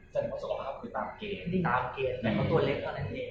แต่สุขภาพคือตามเกณฑ์ตามเกณฑ์แต่เขาตัวเล็กเท่านั้นเอง